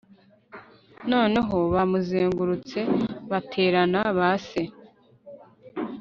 Noneho bamuzengurutse baterana ba Se